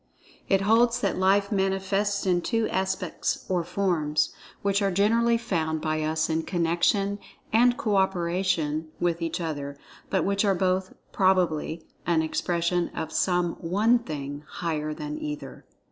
It holds that Life manifests in two aspects or forms, which are generally found by us in connection and co operation with each other, but which are both, probably, an expression of some One Thing higher than either.